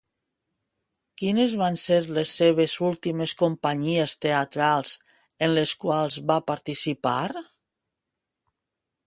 Quines van ser les seves últimes companyies teatrals en les quals va participar?